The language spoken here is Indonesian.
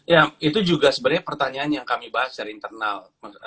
ya itu juga sebenarnya pertanyaan yang kami bahas secara internal